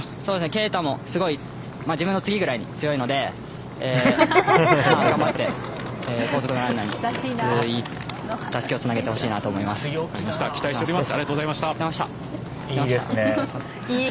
圭汰も自分の次ぐらいに強いので頑張って後続のランナーにたすきをつなげてほしいと期待しております。